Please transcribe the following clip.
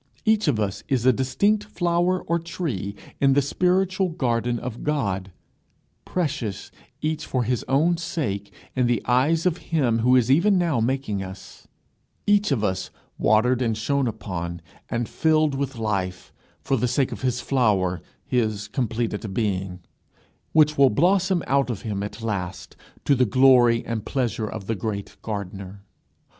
Each of us is a distinct flower or tree in the spiritual garden of God, precious, each for his own sake, in the eyes of him who is even now making us, each of us watered and shone upon and filled with life, for the sake of his flower, his completed being, which will blossom out of him at last to the glory and pleasure of the great gardener.